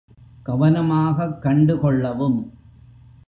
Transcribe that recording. கவனமாகக் கண்டு கொள்ளவும்.